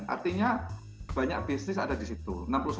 artinya banyak bisnis ada di situ